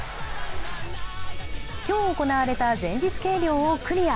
今日行われた前日計量をクリア。